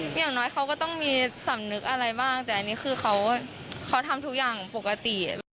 อย่างน้อยเขาก็ต้องมีสำนึกอะไรบ้างแต่อันนี้คือเขาทำทุกอย่างปกติ